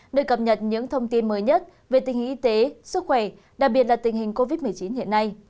để cập nhật những thông tin mới nhất về tình hình y tế sức khỏe đặc biệt là tình hình covid một mươi chín hiện nay